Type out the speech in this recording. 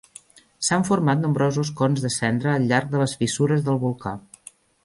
S'han format nombrosos cons de cendra al llarg de les fissures del volcà.